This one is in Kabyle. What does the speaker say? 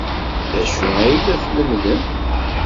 D acu ay la tlemmdem?